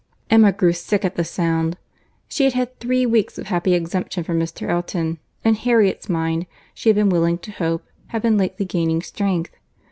Emma grew sick at the sound. She had had three weeks of happy exemption from Mr. Elton; and Harriet's mind, she had been willing to hope, had been lately gaining strength.